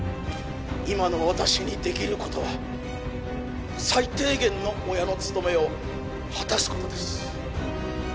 「今の私にできる事は最低限の親の務めを果たす事です」